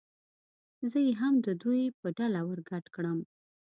زه یې هم د دوی په ډله ور ګډ کړم.